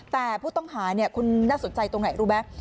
แต่ผู้ต้องหาคุณน่าสนใจตรงไหนรู้ไหม